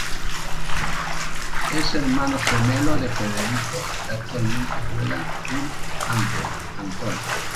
Es hermano gemelo de Federico, que actualmente juega en el Ancona.